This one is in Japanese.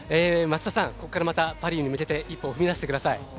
松田さん、ここからまたパリに向けて一歩踏み出してください。